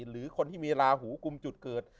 หรือคนที่มีลาหูกุมจุดเกิด